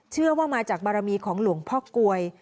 เชื่อว่ามาจากบารมีของหลวงพ่อกลวย